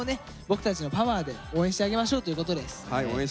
僕たちのパワーで応援してあげましょうということです。